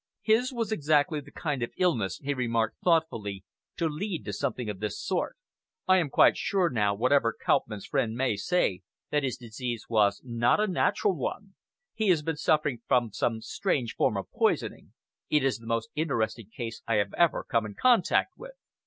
"His was exactly the kind of illness," he remarked thoughtfully, "to lead to something of this sort. I am quite sure now, whatever Kauppmann's friend may say, that his disease was not a natural one. He has been suffering from some strange form of poisoning. It is the most interesting case I have ever come in contact with.